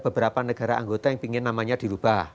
beberapa negara anggota yang ingin namanya dirubah